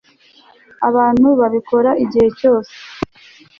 abantu babikora igihe cyose